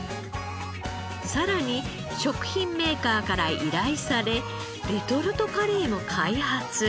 さらに食品メーカーから依頼されレトルトカレーも開発。